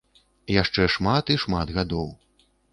Яшчэ шмат і шмат гадоў.